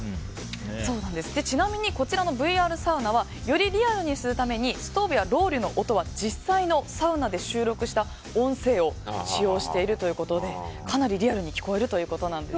ちなみにこちらのＶＲサウナはよりリアルにするためにストーブやロウリュの音は実際のサウナで収録した音声を使用しているということでかなりリアルに聴こえるということなんです。